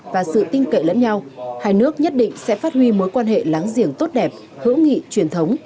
và sự tin cậy lẫn nhau hai nước nhất định sẽ phát huy mối quan hệ láng giềng tốt đẹp hữu nghị truyền thống